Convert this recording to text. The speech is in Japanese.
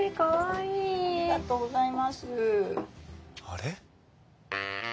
あれ？